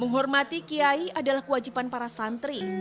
menghormati giaji adalah kuajiban para santri